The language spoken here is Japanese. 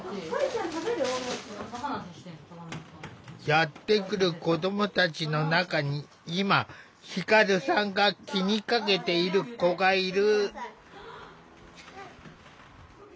やって来る子どもたちの中に今輝さんが気にかけている子がいる。